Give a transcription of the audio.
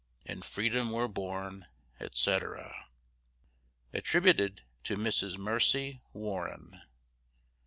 In Freedom we're born, etc. Attributed to MRS. MERCY WARREN.